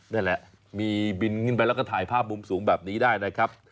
นี่แหละมีบินขึ้นไปแล้วก็ถ่ายภาพมุมสูงแบบนี้ได้นะครับ